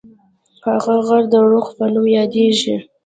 هغه غر د رُخ په نوم یادیږي.